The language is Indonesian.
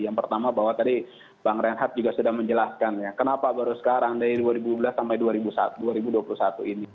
yang pertama bahwa tadi bang renhat juga sudah menjelaskan ya kenapa baru sekarang dari dua ribu dua belas sampai dua ribu dua puluh satu ini